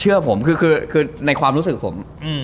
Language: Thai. เชื่อผมคือในความรู้สึกผม